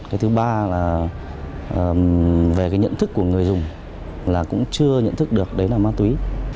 cái thứ ba là về cái nhận thức của người dùng là cũng chưa nhận thức được đấy là ma túy